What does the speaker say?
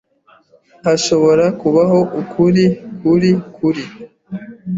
Hashobora kubaho ukuri kuri kuri.